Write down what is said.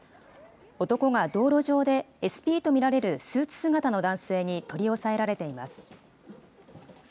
男が道路上で、ＳＰと見られるスーツ姿の男性に取り押さえられています。